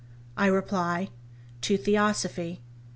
I reply, To Theosophy.